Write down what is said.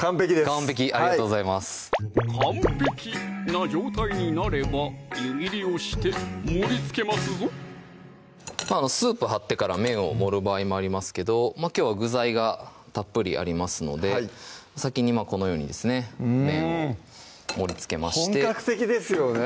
完璧ありがとうございます完璧な状態になれば湯切りをして盛りつけますぞスープ張ってから麺を盛る場合もありますけどきょうは具材がたっぷりありますので先にこのようにですね麺を盛りつけまして本格的ですよね